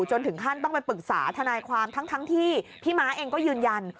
จนถึงขั้นต้องไปปรึกษาทนายความทั้งที่พี่ม้าเองก็ยืนยัน